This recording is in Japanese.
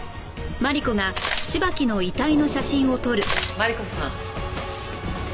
マリコさん。